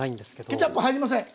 ケチャップ入りません。